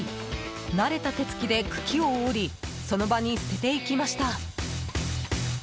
慣れた手つきで茎を折りその場に捨てていきました。